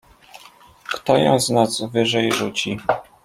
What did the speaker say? "Kto ją z nas wyżej rzuci?"